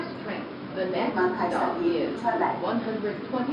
英文係實現唔出嚟